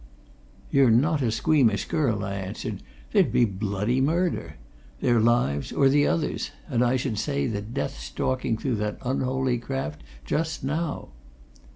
"You're not a squeamish girl," I answered. "There'd be bloody murder! Their lives or the others. And I should say that death's stalking through that unholy craft just now."